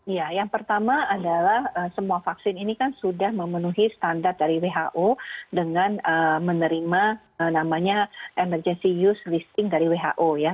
ya yang pertama adalah semua vaksin ini kan sudah memenuhi standar dari who dengan menerima namanya emergency use listing dari who ya